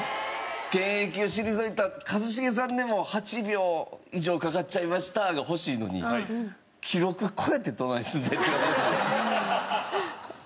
「現役を退いた一茂さんでも８秒以上かかっちゃいました」が欲しいのに記録超えてどないすんねん！っていう話じゃないですか？